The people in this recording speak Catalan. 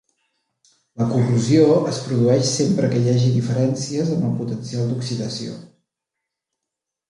La corrosió es produeix sempre que hi hagi diferències en el potencial d'oxidació.